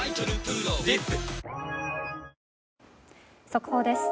速報です。